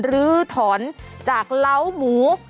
ลือถอนจากร้าวหมู